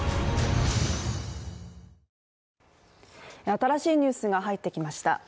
新しいニュースが入ってきました。